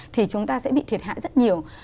thì chúng ta sẽ bị thiệt hại rất nhiều